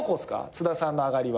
津田さんの上がりは。